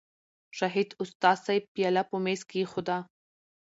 شاهد استاذ صېب پياله پۀ مېز کېښوده